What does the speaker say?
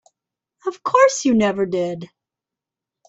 Of course you never did.